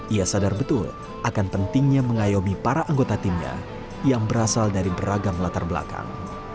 ia sadar betul akan pentingnya mengayomi para anggota timnya yang berasal dari beragam latar belakang